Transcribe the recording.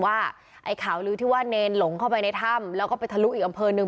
ไอ้ข่าวลื้อที่ว่าเนรหลงเข้าไปในถ้ำแล้วก็ไปทะลุอีกอำเภอหนึ่ง